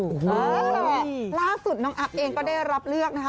อุ้ยยยยยยยล่าสุดน้องอัพเองก็ได้รับเลือกนะค่ะ